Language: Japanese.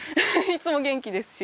いつも元気ですし。